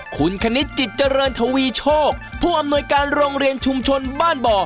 คุณคณิตจิตเจริญทวีโชคผู้อำนวยการโรงเรียนชุมชนบ้านบ่อ